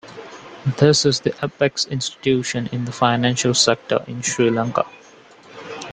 This is the apex institution in the financial sector in Sri Lanka.